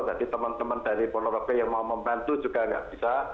jadi teman teman dari polrogo yang mau membantu juga tidak bisa